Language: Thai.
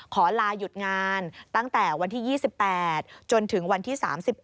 ขอลาหยุดงานตั้งแต่วันที่๒๘จนถึงวันที่๓๑